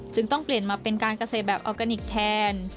ต้องเปลี่ยนมาเป็นการเกษตรแบบออร์แกนิคแทน